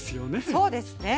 そうですね。